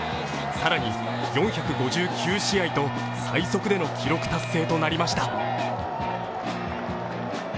更に４５９試合と最速での記録達成となりました。